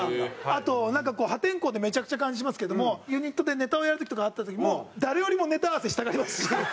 あと破天荒でめちゃくちゃな感じしますけどもユニットでネタをやる時とかあった時も誰よりもネタ合わせしたがりますし。